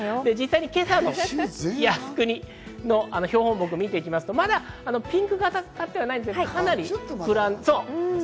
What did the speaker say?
今朝の靖国の標本木を見ていきますと、またピンクがかってはいないですが、かなり膨らんでます。